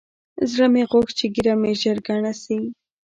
زړه مې غوښت چې ږيره مې ژر گڼه سي.